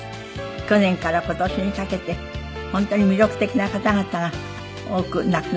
去年から今年にかけて本当に魅力的な方々が多く亡くなりました。